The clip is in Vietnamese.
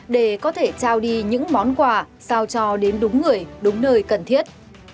để có thể trao đi những món quà sao cho đến đúng người đúng nơi cần thiết